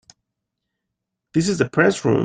This is the Press Room.